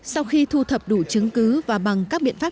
sau khi thu thập đủ chứng cứ và bằng các biện pháp